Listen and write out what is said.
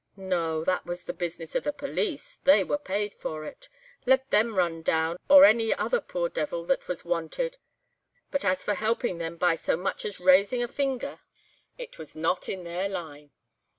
No! that was the business of the police—they were paid for it—let them run him down or any other poor devil that was 'wanted,' but as for helping them by so much as raising a finger, it was not in their line.